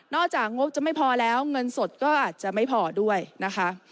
จากงบจะไม่พอแล้วเงินสดก็อาจจะไม่พอด้วยนะคะ